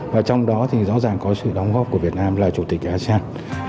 và trong đó thì rõ ràng có sự đóng góp của việt nam là chủ tịch asean